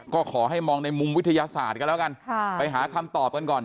ก็ขอให้มองในมุมวิทยาศาสตร์กันแล้วกันไปหาคำตอบกันก่อน